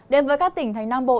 đến với các tỉnh thành nam bộ